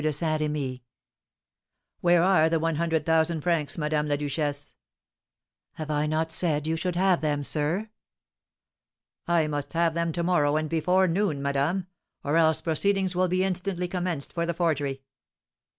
de Saint Remy." "Where are the one hundred thousand francs, Madame la Duchesse?" "Have I not said you should have them, sir?" "I must have them to morrow, and before noon, madame; or else proceedings will be instantly commenced for the forgery."